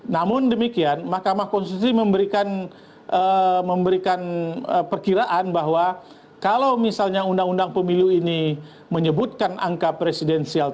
namun demikian mahkamah konstitusi memberikan perkiraan bahwa kalau misalnya undang undang pemilu ini menyebutkan angka presidensial